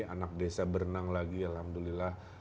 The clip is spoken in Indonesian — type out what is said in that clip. anak desa berenang lagi alhamdulillah